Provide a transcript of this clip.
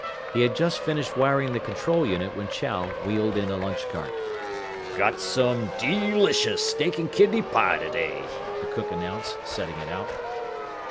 He had just finished wiring the control unit when Chow wheeled in a lunch cart. "Got some _dee_licious steak and kidney pie today," the cook announced, setting it out.